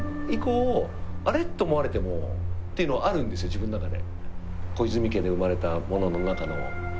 自分の中で。